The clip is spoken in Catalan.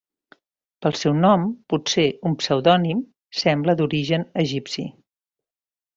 Pel seu nom, potser un pseudònim, sembla d'origen egipci.